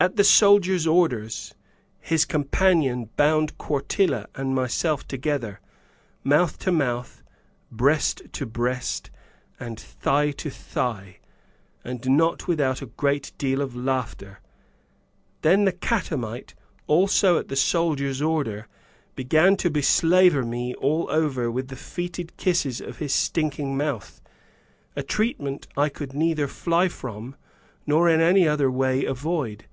At the soldier's orders, his companion bound Quartilla and myself together, mouth to mouth, breast to breast, and thigh to thigh; and not without a great deal of laughter. Then the catamite, also at the soldier's order, began to beslaver me all over with the fetid kisses of his stinking mouth, a treatment I could neither fly from, nor in any other way avoid.